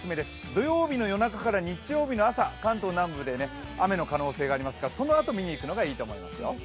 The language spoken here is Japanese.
土曜日の夜中から日曜日の朝、関東南部で雨の可能性がありますから、そのあと見にいくのがいいですよ。